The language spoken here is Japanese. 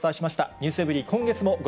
ｎｅｗｓｅｖｅｒｙ．今月もご